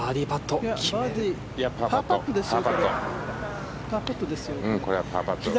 パーパットですよ。